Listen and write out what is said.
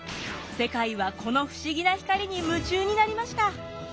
世界はこの不思議な光に夢中になりました。